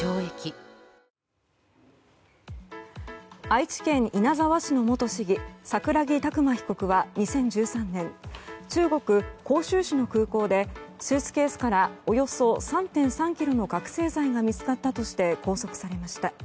愛知県稲沢市の元市議桜木琢磨被告は２０１３年中国・広州市の空港でスーツケースからおよそ３．３ｋｇの覚醒剤が見つかったとして拘束されました。